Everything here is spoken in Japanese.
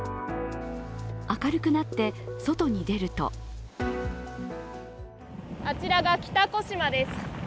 明るくなって外に出るとあちらが北小島です。